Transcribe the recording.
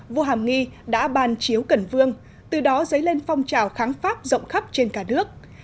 vua hàm nghi đã ban chiếu cần vương từ đó giấy lên phong trào kháng pháp rộng khắp trên cả nước